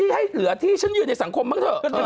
ให้เหลือที่ฉันยืนในสังคมบ้างเถอะ